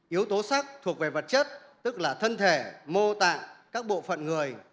yếu tố sắc thuộc về vật chất tức là thân thể mô tạng các bộ phận người